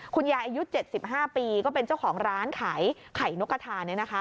คุณยายอายุ๗๕ปีก็เป็นเจ้าของร้านไข่ไข่นกทา